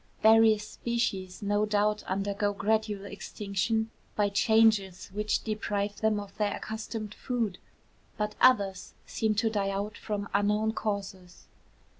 Various species no doubt undergo gradual extinction by changes which deprive them of their accustomed food; but others seem to die out from unknown causes.